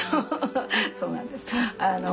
そうなんです。